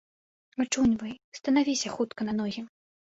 Ачуньвай, станавіся хутка на ногі.